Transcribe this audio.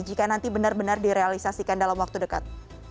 jika nanti benar benar direalisasikan dalam waktu dekat